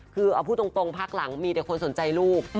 คือเอาพูดตรงพักหลังมีแต่คนสนใจลูก